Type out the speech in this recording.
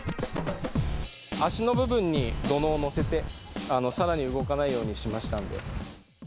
脚の部分に土のうを乗せて、さらに動かないようにしましたんで。